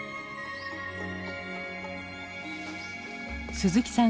鈴木さん